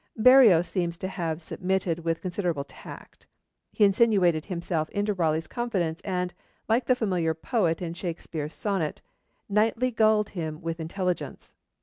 Berreo seems to have submitted with considerable tact. He insinuated himself into Raleigh's confidence, and, like the familiar poet in Shakespeare's sonnet, 'nightly gulled him with intelligence.'